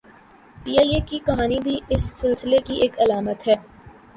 P I A کی کہانی بھی اس سلسلے کی ایک علامت ہے۔